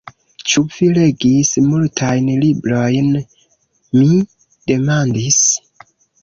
Ĉu vi legis multajn librojn? mi demandis.